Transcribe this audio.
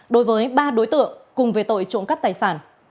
đối với ba đối tượng cùng về tội trộm cắt tài sản